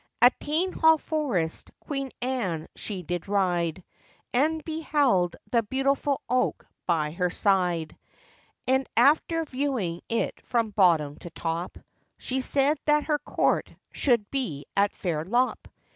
At Tainhall forest, Queen Anne she did ride, And beheld the beautiful oak by her side, And after viewing it from bottom to top, She said that her court should be at Fairlop.